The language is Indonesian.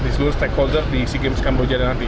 di seluruh stakeholder di sea games kamboja nanti